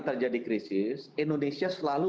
terjadi krisis indonesia selalu